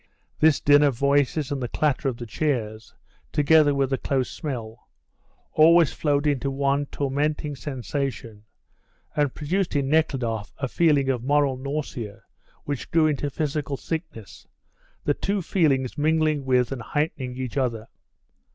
This din of voices and the clatter of the chairs, together with the close smell, always flowed into one tormenting sensation, and produced in Nekhludoff a feeling of moral nausea which grew into physical sickness, the two feelings mingling with and heightening each other.